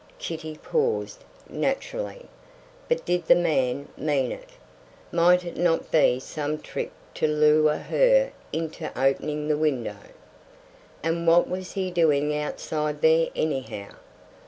Kitty paused, naturally. But did the man mean it? Might it not be some trick to lure her into opening the window? And what was he doing outside there anyhow?